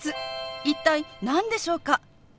一体何でしょうか？